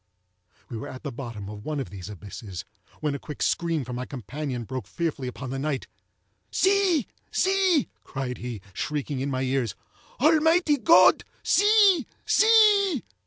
We were at the bottom of one of these abysses, when a quick scream from my companion broke fearfully upon the night. "See! see!" cried he, shrieking in my ears, "Almighty God! see! see!"